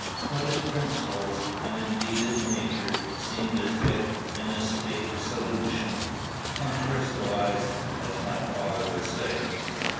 But his principles, and indeed his nature, seemed as yet in a state of solution, uncrystallized, as my father would say.